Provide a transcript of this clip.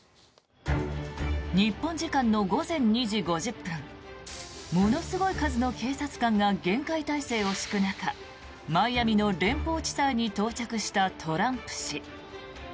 日本時間の午前２時５０分ものすごい数の警察官が厳戒態勢を敷く中マイアミの連邦地裁に到着したトランプ氏。